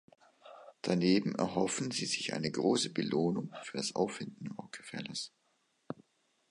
Daneben erhoffen sie sich eine große Belohnung für das Auffinden Rockefellers.